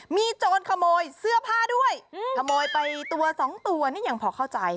มีโจรขโมยเสื้อผ้าด้วยขโมยไปตัวสองตัวนี่ยังพอเข้าใจ